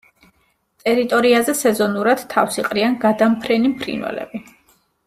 ტერიტორიაზე სეზონურად თავს იყრიან გადამფრენი ფრინველები.